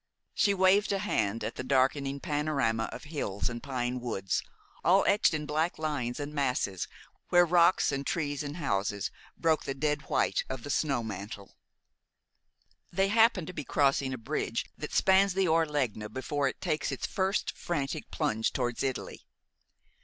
She waved a hand at the darkening panorama of hills and pine woods, all etched in black lines and masses, where rocks and trees and houses broke the dead white of the snow mantle. They happened to be crossing a bridge that spans the Orlegna before it takes its first frantic plunge towards Italy.